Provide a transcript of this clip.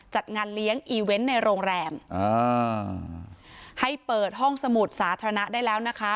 จัดงานเลี้ยงอีเวนต์ในโรงแรมอ่าให้เปิดห้องสมุดสาธารณะได้แล้วนะคะ